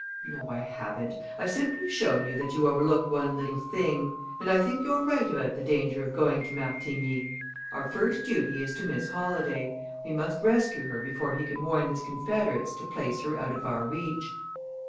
"No I haven't; I've simply shown you that you overlooked one little thing. And I think you're right about the danger of going to Martigny. Our first duty is to Miss Holladay; we must rescue her before he can warn his confederates to place her out of our reach."